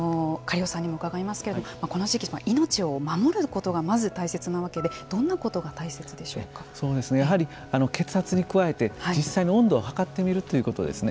苅尾さんにも伺いますけれどもこの時期、命を守ることがまず大切なわけでやはり血圧に加えて実際に温度を測ってみるということですね。